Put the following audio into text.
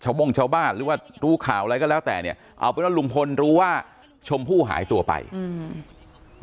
บ่งชาวบ้านหรือว่ารู้ข่าวอะไรก็แล้วแต่เนี้ยเอาเป็นว่าลุงพลรู้ว่าชมพู่หายตัวไปอืม